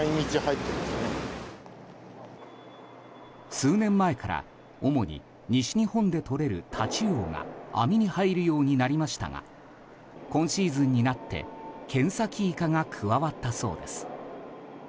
数年前から主に西日本でとれるタチウオが網に入るようになりましたが今シーズンになってケンサキイカが加わったそうです。